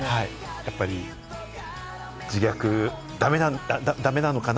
やっぱり自虐はだめなのかな？